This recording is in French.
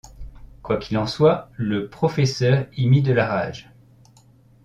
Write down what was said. Quoi qu’il en soit, le professeur y mit de la rage.